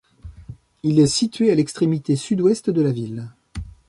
Il est situé à l'extrémité sud-ouest de la ville.